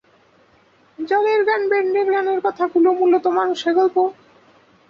জলের গান ব্যান্ডের গানের কথাগুলো মূলত মানুষের গল্প।